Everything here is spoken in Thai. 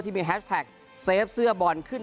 ที่มีแฮชเทค